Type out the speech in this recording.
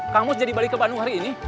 kamu sejadi balik ke bandung hari ini